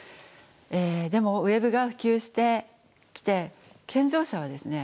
でもＷｅｂが普及してきて健常者はですね